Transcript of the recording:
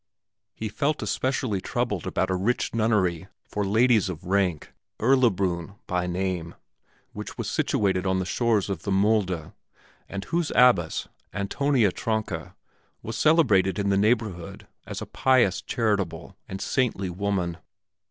He felt especially troubled about a rich nunnery for ladies of rank, Erlabrunn by name, which was situated on the shores of the Mulde, and whose abbess, Antonia Tronka, was celebrated in the neighborhood as a pious, charitable, and saintly woman.